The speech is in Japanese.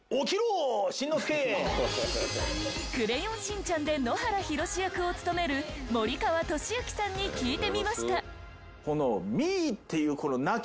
『クレヨンしんちゃん』で野原ひろし役を務める森川智之さんに聞いてみました。